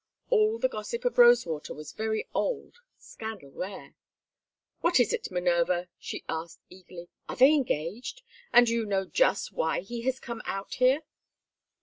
All the gossip of Rosewater was very old, scandal rare. "What is it, Minerva?" she asked, eagerly. "Are they engaged? And do you know just why he has come out here?"